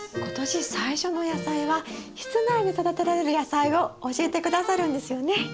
今年最初の野菜は室内で育てられる野菜を教えて下さるんですよね。